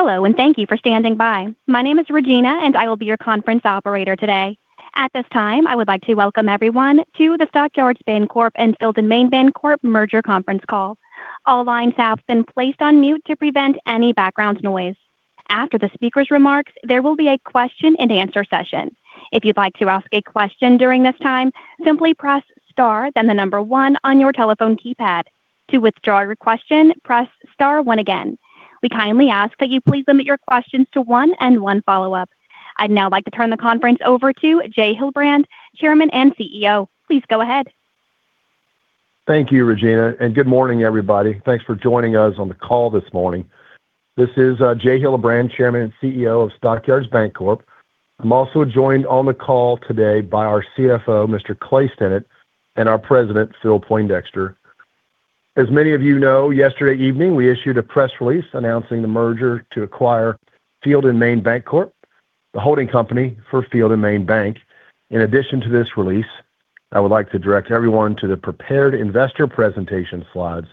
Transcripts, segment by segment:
Hello, and thank you for standing by. My name is Regina, and I will be your conference operator today. At this time, I would like to welcome everyone to the Stock Yards Bancorp and Field & Main Bancorp Merger Conference Call. All lines have been placed on mute to prevent any background noise. After the speaker's remarks, there will be a question-and-answer session. If you'd like to ask a question during this time, simply press star, then the number one on your telephone keypad. To withdraw your question, press star one again. We kindly ask that you please limit your questions to one and one follow-up. I'd now like to turn the conference over to Jay Hillebrand, Chairman and CEO. Please go ahead. Thank you, Regina, and good morning, everybody. Thanks for joining us on the call this morning. This is Jay Hillebrand, Chairman and CEO of Stock Yards Bancorp. I'm also joined on the call today by our CFO, Mr. Clay Stinnett, and our president, Phil Poindexter. As many of you know, yesterday evening, we issued a press release announcing the merger to acquire Field & Main Bancorp, the holding company for Field & Main Bank. In addition to this release, I would like to direct everyone to the prepared investor presentation slides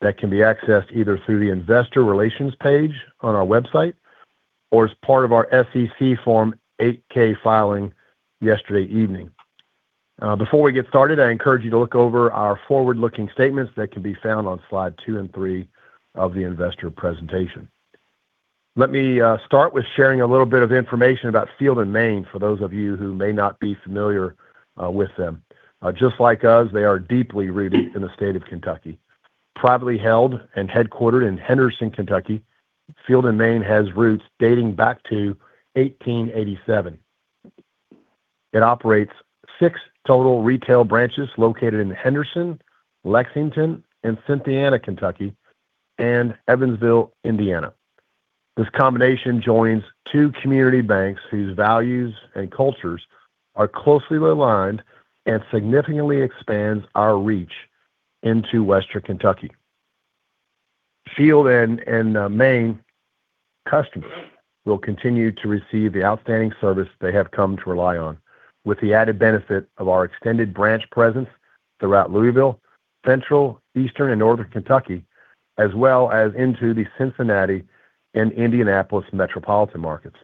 that can be accessed either through the Investor Relations page on our website or as part of our SEC Form 8-K filing yesterday evening. Before we get started, I encourage you to look over our forward-looking statements that can be found on slide 2 and 3 of the investor presentation. Let me start with sharing a little bit of information about Field & Main for those of you who may not be familiar with them. Just like us, they are deeply rooted in the state of Kentucky. Privately held and headquartered in Henderson, Kentucky, Field & Main has roots dating back to 1887. It operates six total retail branches located in Henderson, Lexington, and Cynthiana, Kentucky, and Evansville, Indiana. This combination joins two community banks whose values and cultures are closely aligned and significantly expands our reach into Western Kentucky. Field & Main customers will continue to receive the outstanding service they have come to rely on, with the added benefit of our extended branch presence throughout Louisville, Central, Eastern, and Northern Kentucky, as well as into the Cincinnati and Indianapolis metropolitan markets.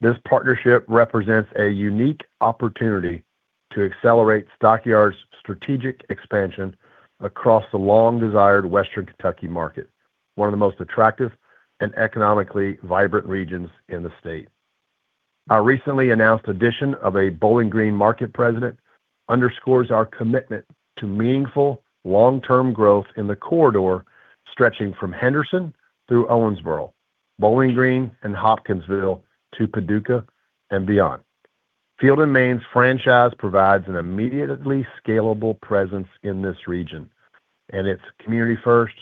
This partnership represents a unique opportunity to accelerate Stock Yards' strategic expansion across the long-desired Western Kentucky market, one of the most attractive and economically vibrant regions in the state. Our recently announced addition of a Bowling Green market president underscores our commitment to meaningful, long-term growth in the corridor, stretching from Henderson through Owensboro, Bowling Green, and Hopkinsville to Paducah and beyond. Field & Main's franchise provides an immediately scalable presence in this region, and its community-first,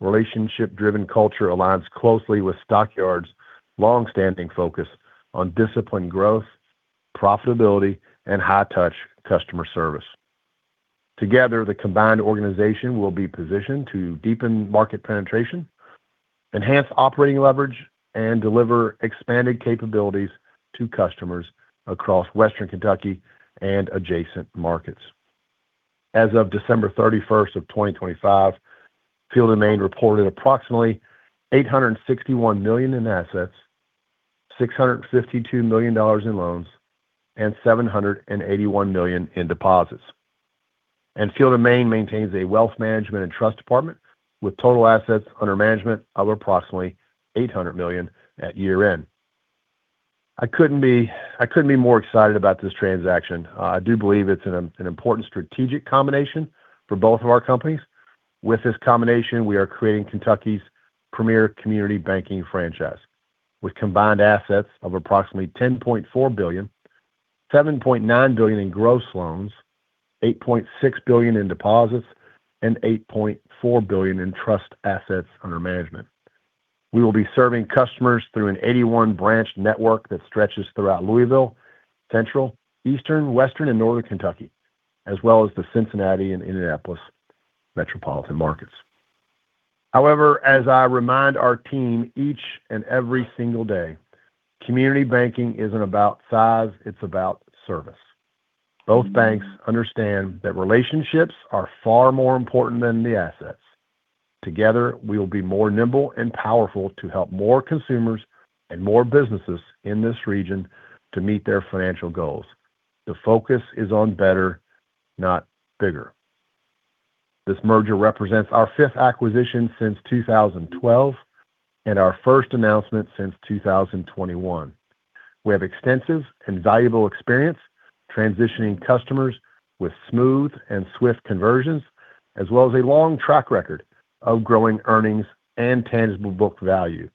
relationship-driven culture aligns closely with Stock Yards' long-standing focus on disciplined growth, profitability, and high-touch customer service. Together, the combined organization will be positioned to deepen market penetration, enhance operating leverage, and deliver expanded capabilities to customers across Western Kentucky and adjacent markets. As of December 31, 2025, Field & Main reported approximately $861 million in assets, $652 million in loans, and $781 million in deposits. Field & Main maintains a wealth management and trust department, with total assets under management of approximately $800 million at year-end. I couldn't be, I couldn't be more excited about this transaction. I do believe it's an important strategic combination for both of our companies. With this combination, we are creating Kentucky's premier community banking franchise, with combined assets of approximately $10.4 billion, $7.9 billion in gross loans, $8.6 billion in deposits, and $8.4 billion in trust assets under management. We will be serving customers through an 81-branch network that stretches throughout Louisville, Central, Eastern, Western, and Northern Kentucky, as well as the Cincinnati and Indianapolis metropolitan markets. However, as I remind our team each and every single day, community banking isn't about size, it's about service. Both banks understand that relationships are far more important than the assets. Together, we will be more nimble and powerful to help more consumers and more businesses in this region to meet their financial goals. The focus is on better, not bigger. This merger represents our fifth acquisition since 2012 and our first announcement since 2021. We have extensive and valuable experience transitioning customers with smooth and swift conversions, as well as a long track record of growing earnings and tangible book value.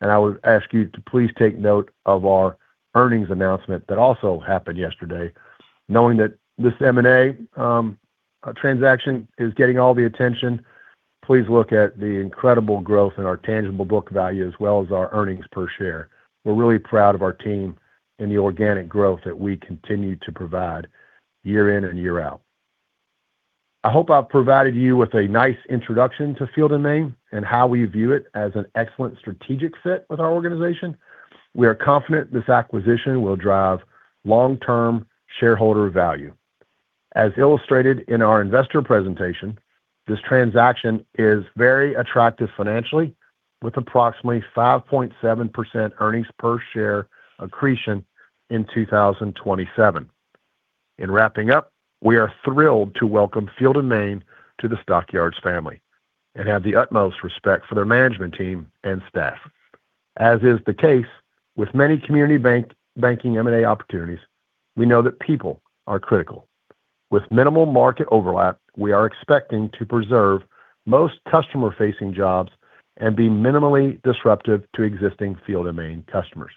I would ask you to please take note of our earnings announcement that also happened yesterday. Knowing that this M&A, transaction is getting all the attention, please look at the incredible growth in our tangible book value, as well as our earnings per share. We're really proud of our team and the organic growth that we continue to provide year in and year out. I hope I've provided you with a nice introduction to Field & Main and how we view it as an excellent strategic fit with our organization. We are confident this acquisition will drive long-term shareholder value.... As illustrated in our investor presentation, this transaction is very attractive financially, with approximately 5.7% earnings per share accretion in 2027. In wrapping up, we are thrilled to welcome Field & Main to the Stock Yards family and have the utmost respect for their management team and staff. As is the case with many community banking M&A opportunities, we know that people are critical. With minimal market overlap, we are expecting to preserve most customer-facing jobs and be minimally disruptive to existing Field & Main customers.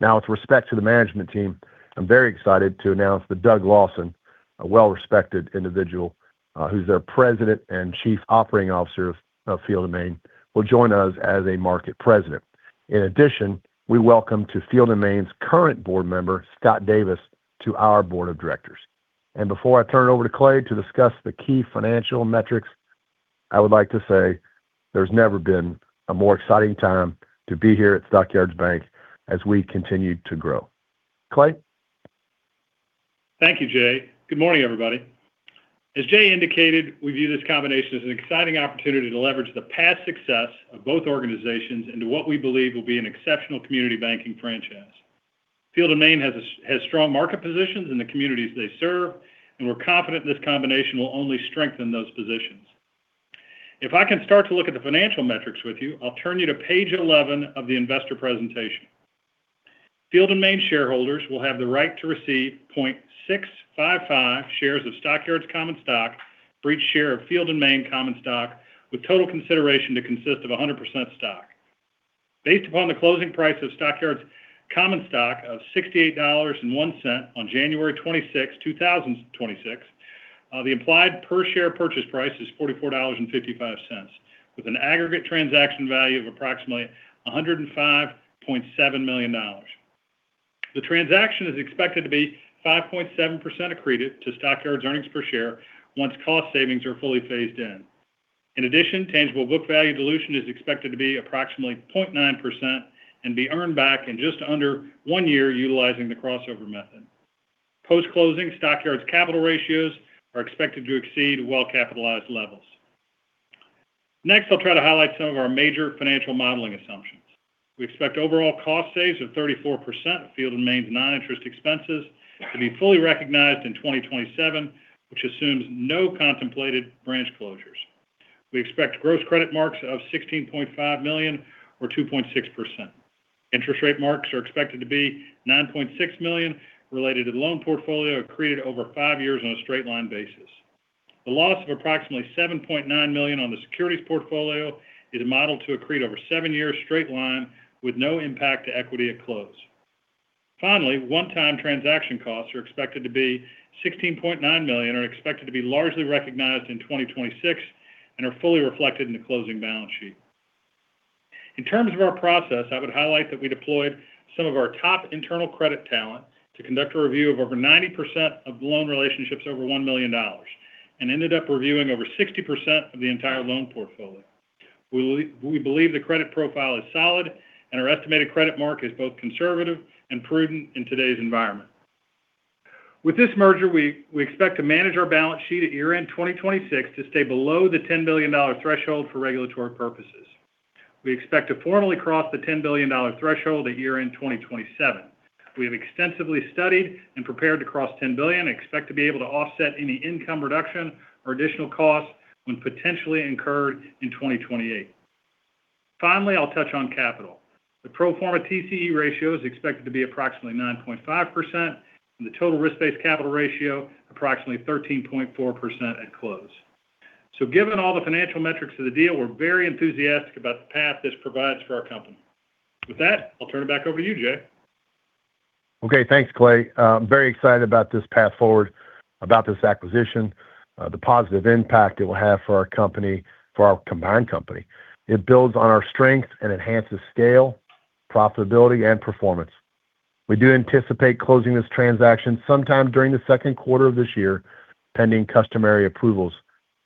Now, with respect to the management team, I'm very excited to announce that Doug Lawson, a well-respected individual, who's their president and chief operating officer of Field & Main, will join us as a market president. In addition, we welcome Field & Main's current board member, Scott Davis, to our board of directors. Before I turn it over to Clay to discuss the key financial metrics, I would like to say there's never been a more exciting time to be here at Stock Yards Bank as we continue to grow. Clay? Thank you, Jay. Good morning, everybody. As Jay indicated, we view this combination as an exciting opportunity to leverage the past success of both organizations into what we believe will be an exceptional community banking franchise. Field & Main has strong market positions in the communities they serve, and we're confident this combination will only strengthen those positions. If I can start to look at the financial metrics with you, I'll turn you to page 11 of the investor presentation. Field & Main shareholders will have the right to receive 0.655 shares of Stock Yards common stock for each share of Field & Main common stock, with total consideration to consist of 100% stock. Based upon the closing price of Stock Yards common stock of $68.01 on January 26th, 2026, the implied per share purchase price is $44.55, with an aggregate transaction value of approximately $105.7 million. The transaction is expected to be 5.7% accretive to Stock Yards earnings per share once cost savings are fully phased in. In addition, tangible book value dilution is expected to be approximately 0.9% and be earned back in just under one year utilizing the crossover method. Post-closing, Stock Yards capital ratios are expected to exceed well-capitalized levels. Next, I'll try to highlight some of our major financial modeling assumptions. We expect overall cost saves of 34% of Field & Main's non-interest expenses to be fully recognized in 2027, which assumes no contemplated branch closures. We expect gross credit marks of $16.5 million or 2.6%. Interest rate marks are expected to be $9.6 million, related to the loan portfolio accreted over 5 years on a straight line basis. The loss of approximately $7.9 million on the securities portfolio is modeled to accrete over 7 years straight line, with no impact to equity at close. Finally, one-time transaction costs are expected to be $16.9 million, are expected to be largely recognized in 2026, and are fully reflected in the closing balance sheet. In terms of our process, I would highlight that we deployed some of our top internal credit talent to conduct a review of over 90% of the loan relationships over $1 million and ended up reviewing over 60% of the entire loan portfolio. We believe the credit profile is solid, and our estimated credit mark is both conservative and prudent in today's environment. With this merger, we expect to manage our balance sheet at year-end 2026 to stay below the $10 billion threshold for regulatory purposes. We expect to formally cross the $10 billion threshold at year-end 2027. We have extensively studied and prepared to cross $10 billion and expect to be able to offset any income reduction or additional costs when potentially incurred in 2028. Finally, I'll touch on capital. The pro forma TCE ratio is expected to be approximately 9.5%, and the total risk-based capital ratio approximately 13.4% at close. So given all the financial metrics of the deal, we're very enthusiastic about the path this provides for our company. With that, I'll turn it back over to you, Jay. Okay, thanks, Clay. I'm very excited about this path forward, about this acquisition, the positive impact it will have for our company, for our combined company. It builds on our strengths and enhances scale, profitability, and performance. We do anticipate closing this transaction sometime during the second quarter of this year, pending customary approvals,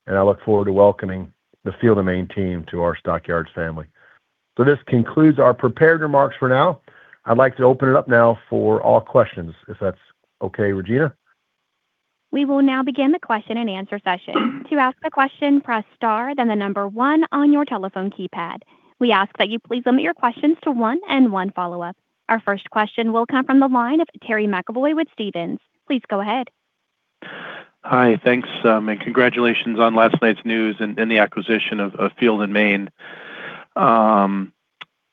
and I look forward to welcoming the Field & Main team to our Stock Yards family. This concludes our prepared remarks for now. I'd like to open it up now for all questions, if that's okay, Regina? We will now begin the question-and-answer session. To ask a question, press star, then the number one on your telephone keypad. We ask that you please limit your questions to one and one follow-up. Our first question will come from the line of Terry McEvoy with Stephens. Please go ahead. Hi, thanks, and congratulations on last night's news and the acquisition of Field & Main.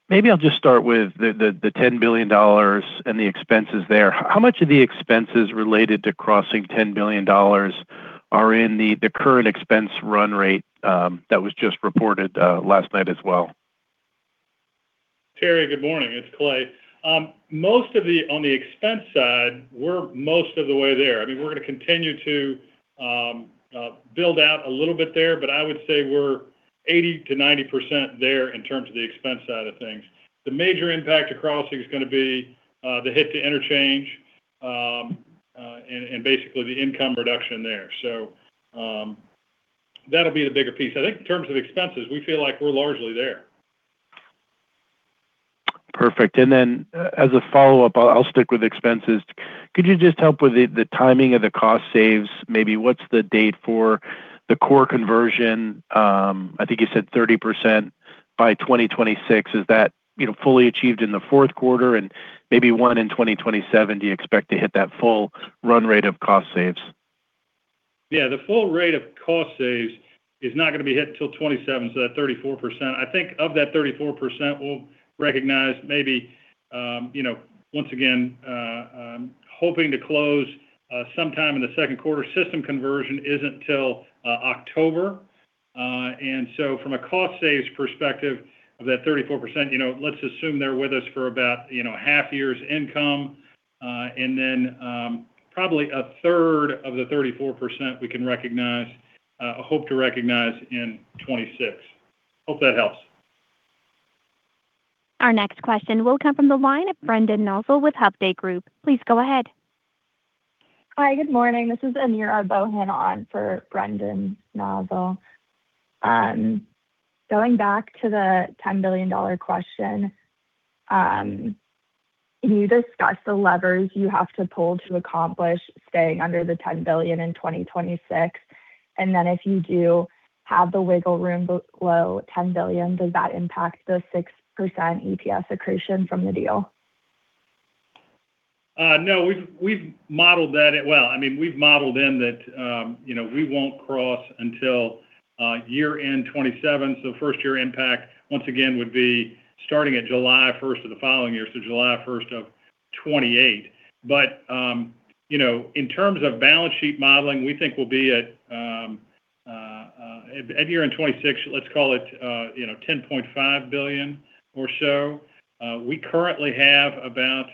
Maybe I'll just start with the $10 billion and the expenses there. How much of the expenses related to crossing $10 billion are in the current expense run rate that was just reported last night as well? Terry, good morning. It's Clay. Most of the... on the expense side, we're most of the way there. I mean, we're going to continue to build out a little bit there, but I would say we're 80%-90% there in terms of the expense side of things. The major impact to crossing is going to be the hit to interchange and basically the income reduction there. So, that'll be the bigger piece. I think in terms of expenses, we feel like we're largely there. ... Perfect. Then as a follow-up, I'll stick with expenses. Could you just help with the timing of the cost saves? Maybe what's the date for the core conversion? I think you said 30% by 2026. Is that, you know, fully achieved in the fourth quarter and maybe Q1 in 2027? Do you expect to hit that full run rate of cost saves? Yeah, the full rate of cost saves is not going to be hit until 2027, so that 34%. I think of that 34%, we'll recognize maybe, you know, once again, hoping to close, sometime in the second quarter. System conversion isn't till, October. And so from a cost saves perspective, of that 34%, you know, let's assume they're with us for about, you know, half year's income, and then, probably a third of the 34% we can recognize, hope to recognize in 2026. Hope that helps. Our next question will come from the line of Brendan Nosal with Hovde Group. Please go ahead. Hi, good morning. This is Ynyra Bohan on for Brendan Nosal. Going back to the $10 billion question, can you discuss the levers you have to pull to accomplish staying under the $10 billion in 2026? And then if you do have the wiggle room below $10 billion, does that impact the 6% EPS accretion from the deal? No, we've modeled that. Well, I mean, we've modeled in that, you know, we won't cross until year-end 2027. So first-year impact, once again, would be starting at July first of the following year, so July first of 2028. But, you know, in terms of balance sheet modeling, we think we'll be at year-end 2026, let's call it, you know, $10.5 billion or so. We currently have about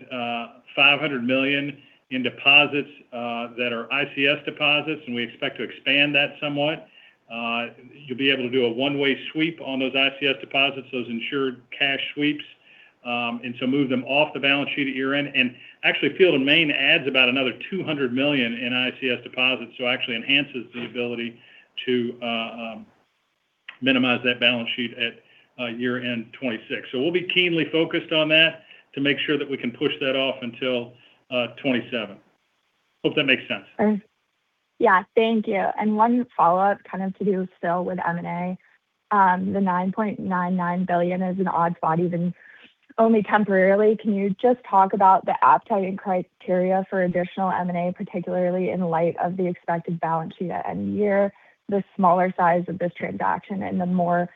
$500 million in deposits that are ICS deposits, and we expect to expand that somewhat. You'll be able to do a one-way sweep on those ICS deposits, those insured cash sweeps, and so move them off the balance sheet at year-end. And actually, Field & Main adds about another $200 million in ICS deposits, so actually enhances the ability to minimize that balance sheet at year-end 2026. So we'll be keenly focused on that to make sure that we can push that off until 2027. Hope that makes sense. Yeah. Thank you. And one follow-up, kind of to do still with M&A. The $9.9 billion is an odd spot, even only temporarily. Can you just talk about the appetite and criteria for additional M&A, particularly in light of the expected balance sheet at end of year, the smaller size of this transaction, and the more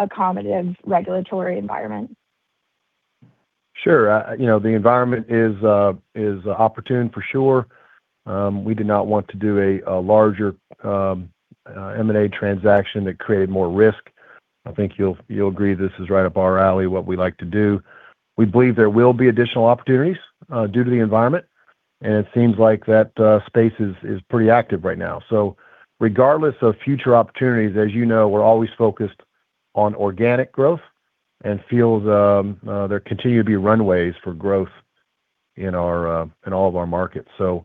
accommodative regulatory environment? Sure. You know, the environment is opportune for sure. We did not want to do a larger M&A transaction that created more risk. I think you'll agree this is right up our alley, what we like to do. We believe there will be additional opportunities due to the environment, and it seems like that space is pretty active right now. So regardless of future opportunities, as you know, we're always focused on organic growth and feels there continue to be runways for growth in our in all of our markets. So...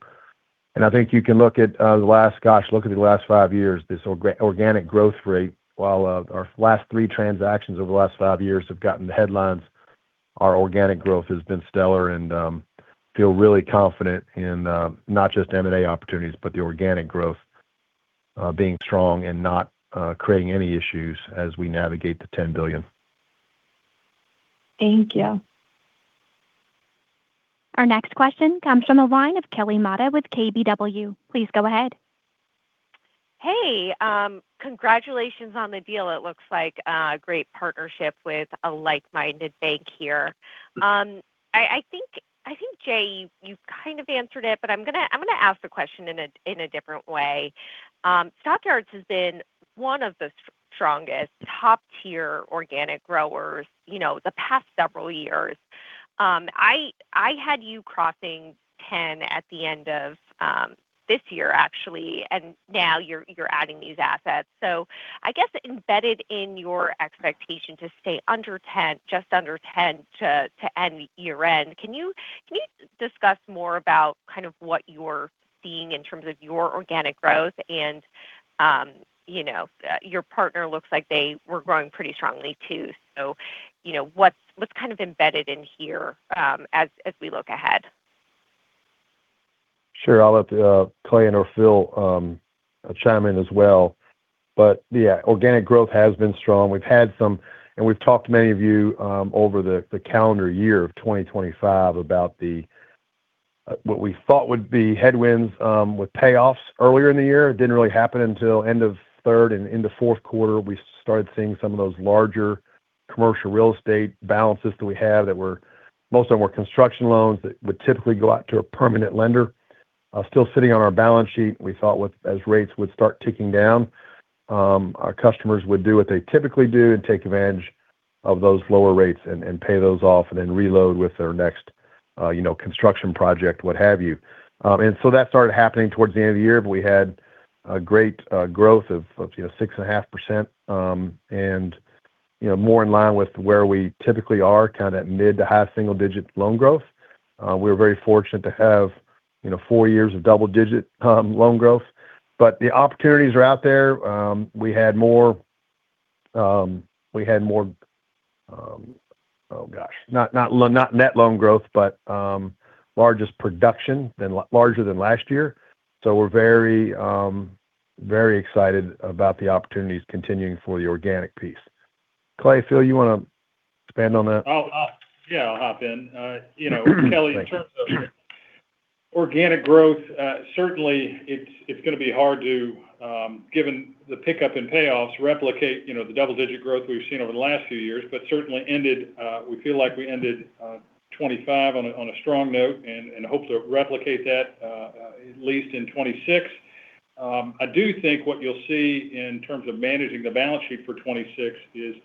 And I think you can look at the last 5 years, this organic growth rate, while our last 3 transactions over the last 5 years have gotten the headlines, our organic growth has been stellar and feel really confident in not just M&A opportunities, but the organic growth being strong and not creating any issues as we navigate to $10 billion. Thank you. Our next question comes from the line of Kelly Motta with KBW. Please go ahead. Hey, congratulations on the deal. It looks like a great partnership with a like-minded bank here. I think, Jay, you kind of answered it, but I'm gonna ask the question in a different way. Stock Yards has been one of the strongest, top-tier organic growers, you know, the past several years. I had you crossing 10 at the end of this year, actually, and now you're adding these assets. So I guess embedded in your expectation to stay under 10, just under 10 to end year-end, can you discuss more about kind of what you're seeing in terms of your organic growth? And, you know, your partner looks like they were growing pretty strongly too. So, you know, what's kind of embedded in here, as we look ahead? Sure. I'll let Clay and or Phil chime in as well. But yeah, organic growth has been strong. We've had some, and we've talked to many of you over the calendar year of 2025 about what we thought would be headwinds with payoffs earlier in the year. It didn't really happen until end of third and into fourth quarter. We started seeing some of those larger commercial real estate balances that we had that were, most of them were construction loans that would typically go out to a permanent lender still sitting on our balance sheet. We thought with as rates would start ticking down, our customers would do what they typically do and take advantage of those lower rates and pay those off, and then reload with their next you know, construction project, what have you. And so that started happening towards the end of the year, but we had a great growth of, you know, 6.5%, and, you know, more in line with where we typically are, kind of at mid to high single-digit loan growth. We were very fortunate to have, you know, four years of double-digit loan growth. But the opportunities are out there. We had larger production than last year. So we're very, very excited about the opportunities continuing for the organic piece. Clay, Phil, you want to expand on that? I'll, yeah, I'll hop in. You know,- Thank you. Kelly, in terms of organic growth, certainly it's, it's going to be hard to, given the pickup in payoffs, replicate, you know, the double-digit growth we've seen over the last few years, but certainly ended, we feel like we ended, 2025 on a, on a strong note and, and hope to replicate that, at least in 2026. I do think what you'll see in terms of managing the balance sheet for 2026 is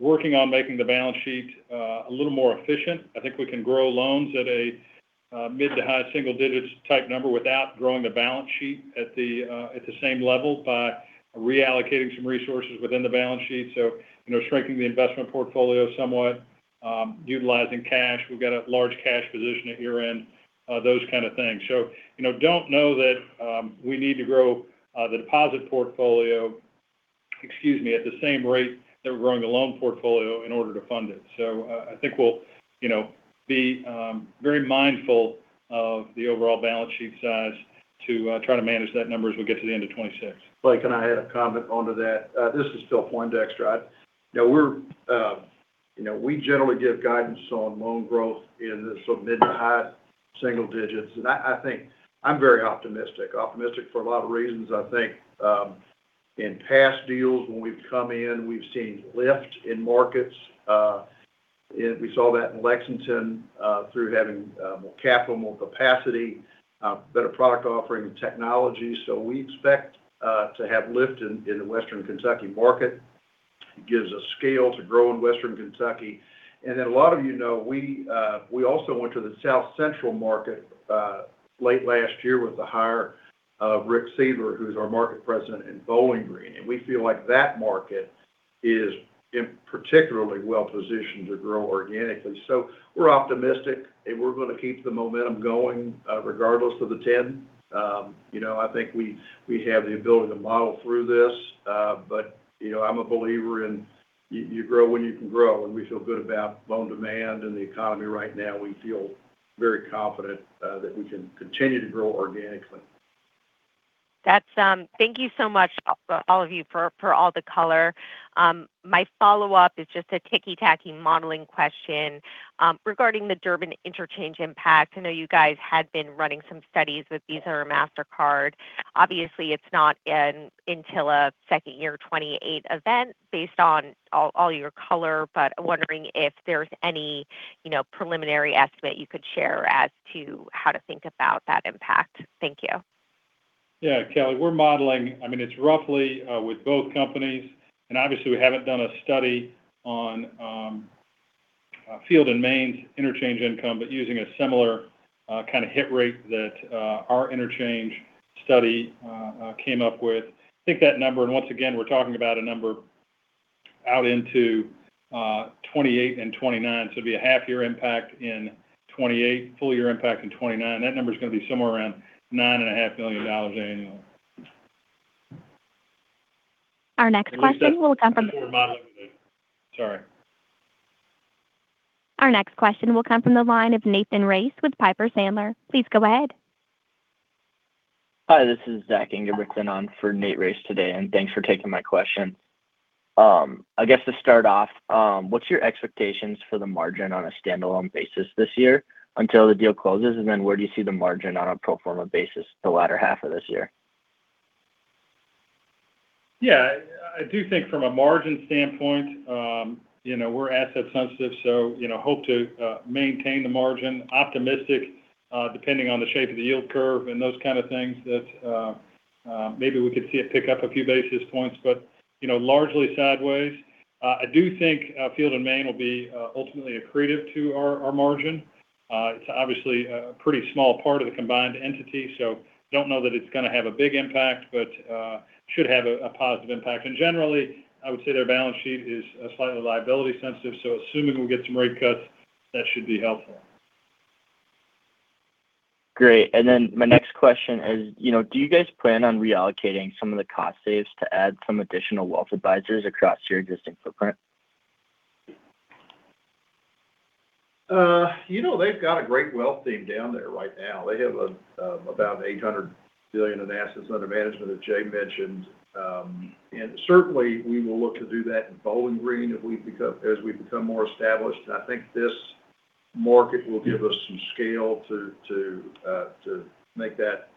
working on making the balance sheet, a little more efficient. I think we can grow loans at a, mid to high single digits type number without growing the balance sheet at the, at the same level by reallocating some resources within the balance sheet. So, you know, shrinking the investment portfolio somewhat, utilizing cash. We've got a large cash position at year-end, those kind of things. So, you know, don't know that we need to grow the deposit portfolio, excuse me, at the same rate that we're growing the loan portfolio in order to fund it. So, I think we'll, you know, be very mindful of the overall balance sheet size to try to manage that number as we get to the end of 2026. Blake, can I add a comment onto that? This is Phil Poindexter. You know, we're, you know, we generally give guidance on loan growth in the sort of mid to high single digits, and I, I think I'm very optimistic. Optimistic for a lot of reasons. I think, in past deals, when we've come in, we've seen lift in markets. And we saw that in Lexington, through having, more capital, more capacity, better product offering and technology. So we expect, to have lift in, in the Western Kentucky market. It gives us scale to grow in Western Kentucky. And then a lot of you know, we, we also went to the South Central market, late last year with the hire of Rick Seiler, who's our market president in Bowling Green. We feel like that market is in particularly well positioned to grow organically. We're optimistic, and we're going to keep the momentum going, regardless of the 10. You know, I think we have the ability to model through this. But, you know, I'm a believer in you grow when you can grow, and we feel good about loan demand and the economy right now. We feel very confident that we can continue to grow organically. That's... Thank you so much, all of you, for, for all the color. My follow-up is just a ticky-tacky modeling question, regarding the Durbin interchange impact. I know you guys had been running some studies with Visa or Mastercard. Obviously, it's not an until a second year 2028 event based on all, all your color, but wondering if there's any, you know, preliminary estimate you could share as to how to think about that impact. Thank you. Yeah, Kelly, we're modeling—I mean, it's roughly, with both companies, and obviously, we haven't done a study on, Field & Main's interchange income, but using a similar, kind of hit rate that, our interchange study, came up with. I think that number, and once again, we're talking about a number out into, 2028 and 2029, to be a half year impact in 2028, full year impact in 2029. That number is going to be somewhere around $9.5 million annually. Our next question will come from- Sorry. Our next question will come from the line of Nathan Race with Piper Sandler. Please go ahead. Hi, this is Zach Ingebrigtson on for Nate Race today, and thanks for taking my question. I guess to start off, what's your expectations for the margin on a standalone basis this year until the deal closes? Then where do you see the margin on a pro forma basis the latter half of this year? Yeah, I do think from a margin standpoint, you know, we're asset sensitive, so, you know, hope to maintain the margin. Optimistic, depending on the shape of the yield curve and those kinds of things, that maybe we could see it pick up a few basis points, but, you know, largely sideways. I do think Field & Main will be ultimately accretive to our margin. It's obviously a pretty small part of the combined entity, so don't know that it's going to have a big impact, but should have a positive impact. And generally, I would say their balance sheet is slightly liability sensitive, so assuming we'll get some rate cuts, that should be helpful. Great. And then my next question is, you know, do you guys plan on reallocating some of the cost savings to add some additional wealth advisors across your existing footprint? You know, they've got a great wealth team down there right now. They have about $800 million in assets under management, as Jay mentioned. And certainly, we will look to do that in Bowling Green as we become more established. I think this market will give us some scale to make that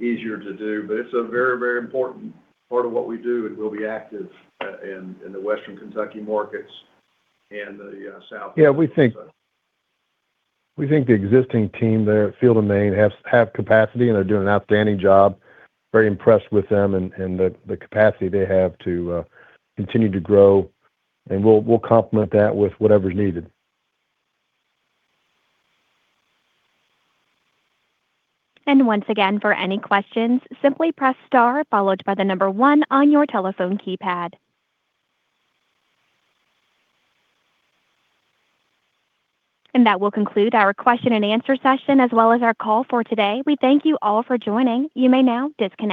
easier to do. But it's a very, very important part of what we do, and we'll be active in the Western Kentucky markets and the South. Yeah, we think the existing team there at Field & Main have capacity, and they're doing an outstanding job. Very impressed with them and the capacity they have to continue to grow, and we'll complement that with whatever is needed. And once again, for any questions, simply press star, followed by the number one on your telephone keypad. And that will conclude our question-and-answer session, as well as our call for today. We thank you all for joining. You may now disconnect.